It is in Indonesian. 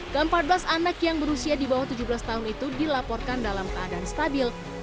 keempat belas anak yang berusia di bawah tujuh belas tahun itu dilaporkan dalam keadaan stabil